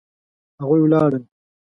هغوی ولاړل